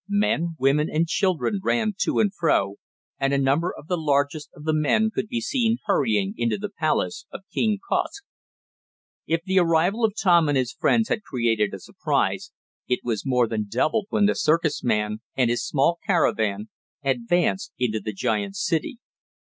Men, women and children ran to and fro, and a number of the largest of the big men could be seen hurrying into the palace hut of King Kosk. If the arrival of Tom and his friends had created a surprise it was more than doubled when the circus man, and his small caravan, advanced into the giants' city.